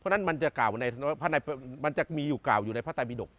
เพราะฉะนั้นมันจะกล่าวอยู่ในพระไตบิดกษ์